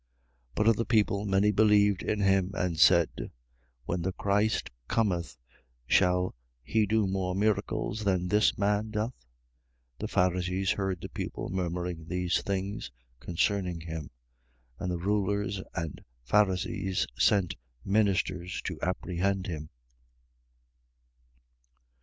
7:31. But of the people many believed in him and said: When the Christ cometh, shall he do more miracles than this man doth? 7:32. The Pharisees heard the people murmuring these things concerning him: and the rulers and Pharisees sent ministers to apprehend him.